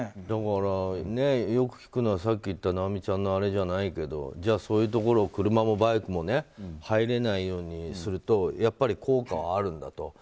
だから、よく聞くのはさっき言った尚美ちゃんのあれじゃないけどじゃあ、そういうところを車もバイクも入れないようにするとやっぱり効果はあるんだと。